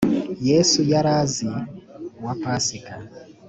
yesu yari azi wa pasika